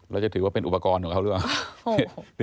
เราจะถือว่าเป็นอุปกรณ์ของเขาหรือว่ะ